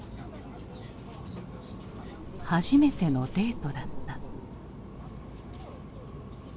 初めてのデートだった。